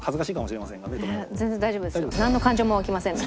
なんの感情も湧きませんので。